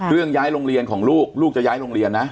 ย้ายโรงเรียนของลูกลูกจะย้ายโรงเรียนนะ